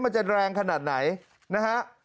มันจะแรงขนาดไหนนะฮะ